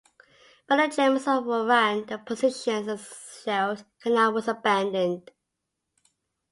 But the Germans overran the positions and the Scheldt Canal was abandoned.